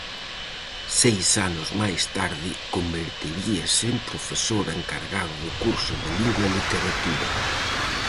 Seis anos máis tarde converteríase en profesor encargado do curso de Lingua e Literatura.